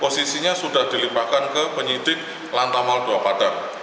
posisinya sudah dilimpahkan ke penyidik lantamal dua padang